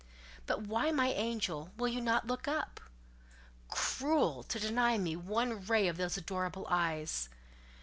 But why, my angel, will you not look up? Cruel, to deny me one ray of those adorable eyes!